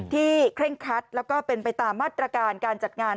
เคร่งคัดแล้วก็เป็นไปตามมาตรการการจัดงาน